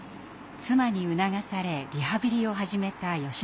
妻に促されリハビリを始めたよしのり先生。